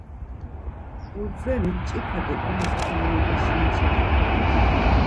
Urdzeni, mç̌ipe do gundze ar meyveşi nca ren.